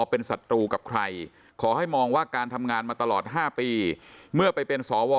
เป็นศัตรูกับใครขอให้มองว่าการทำงานมาตลอด๕ปีเมื่อไปเป็นสว